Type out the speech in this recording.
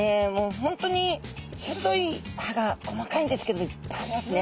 本当に鋭い歯が細かいんですけどいっぱいありますね。